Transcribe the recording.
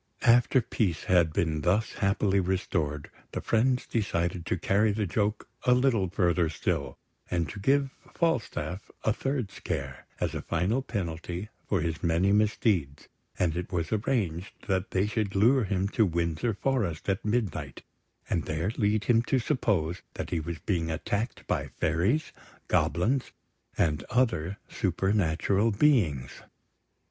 After peace had been thus happily restored, the friends decided to carry the joke a little further still, and to give Falstaff a third scare, as a final penalty for his many misdeeds; and it was arranged that they should lure him to Windsor Forest at midnight, and there lead him to suppose that he was being attacked by fairies, goblins, and other supernatural beings.